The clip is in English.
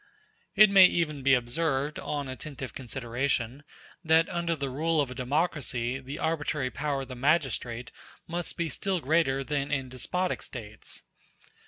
It may even be observed, on attentive consideration, that under the rule of a democracy the arbitrary power of the magistrate must be still greater than in despotic States.